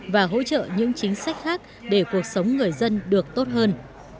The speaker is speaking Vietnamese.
và hỗ trợ những chính sách khác để cuộc sống người dân được tốt hơn